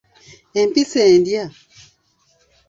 Empisi endya.